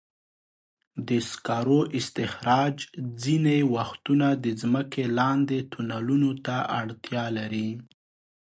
د سکرو استخراج ځینې وختونه د ځمکې لاندې تونلونو ته اړتیا لري.